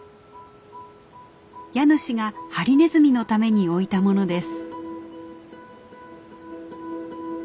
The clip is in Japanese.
家主がハリネズミのために置いたものです。